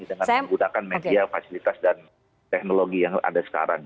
dengan menggunakan media fasilitas dan teknologi yang ada sekarang